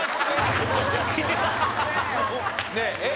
ねええっ？